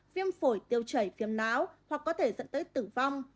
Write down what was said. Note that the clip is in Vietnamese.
viêm phổi tiêu chảy viêm náo hoặc có thể dẫn tới tử vong